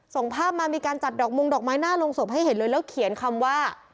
ส่งภาพมามีการจัดดอกมงดอกไม้หน้าโรงศพให้เห็นเลยแล้วเขียนคำว่า